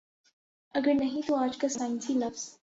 اگر نہیں تو آج کا سائنسی لفظ